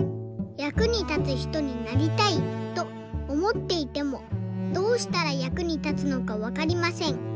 「役に立つひとになりたいとおもっていてもどうしたら役に立つのかわかりません。